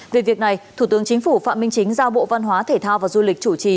về việc này thủ tướng chính phủ phạm minh chính giao bộ văn hóa thể thao và du lịch chủ trì